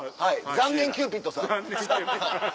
残念キューピッドさん。